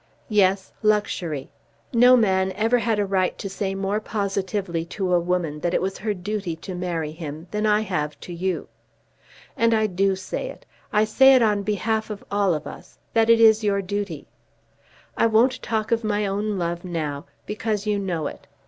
"Yes; luxury. No man ever had a right to say more positively to a woman that it was her duty to marry him, than I have to you. And I do say it. I say it on behalf of all of us, that it is your duty. I won't talk of my own love now, because you know it.